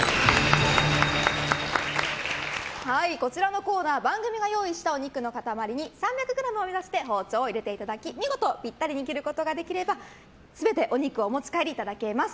こちらのコーナー番組が用意したお肉の塊に３００ｇを目指して包丁を入れていただき見事ピッタリに切ることができれば全てお肉をお持ち帰りいただけます。